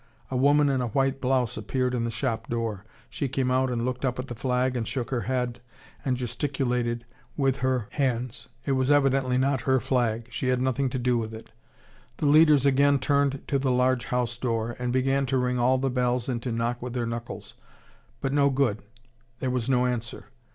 A woman in a white blouse appeared in the shop door. She came out and looked up at the flag and shook her head and gesticulated with her hands. It was evidently not her flag she had nothing to do with it. The leaders again turned to the large house door, and began to ring all the bells and to knock with their knuckles. But no good there was no answer.